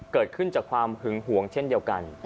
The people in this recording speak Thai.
เกิดขึ้นจากความหึงหวงเช่นเดียวกัน